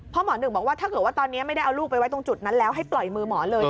เพราะหมอหนึ่งบอกว่าถ้าเกิดว่าตอนนี้ไม่ได้เอาลูกไปไว้ตรงจุดนั้นแล้วให้ปล่อยมือหมอเลย